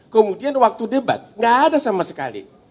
kemudian waktu debat gak ada sama sekali